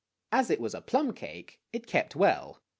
As it was a plum cake, it kept well.